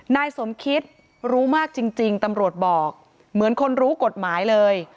นายสมคิดรู้มากจริงตำรวจบอกเหมือนคนรู้กฎหมายเลย